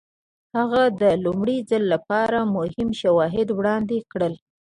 هغه د لومړي ځل لپاره مهم شواهد وړاندې کړل.